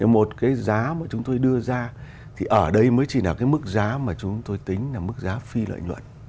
một cái giá mà chúng tôi đưa ra thì ở đây mới chỉ là cái mức giá mà chúng tôi tính là mức giá phi lợi nhuận